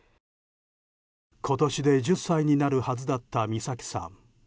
今年で１０歳になるはずだった美咲さん。